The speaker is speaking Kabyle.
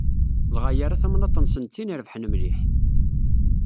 Dɣa yerra tamnaḍt-nsen d tin ireḍben mliḥ.